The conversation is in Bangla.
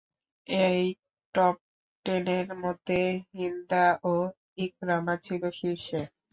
এই টপটেনের মধ্যে হিন্দা ও ইকরামা ছিল শীর্ষে।